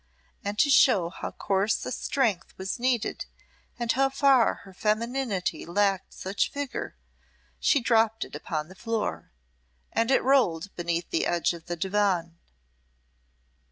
And to show how coarse a strength was needed and how far her femininity lacked such vigour, she dropped it upon the floor and it rolled beneath the edge of the divan.